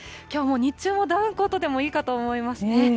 きょうも日中もダウンコートでもいいかと思いますね。